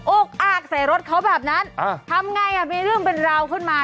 อากใส่รถเขาแบบนั้นทำไงมีเรื่องเป็นราวขึ้นมา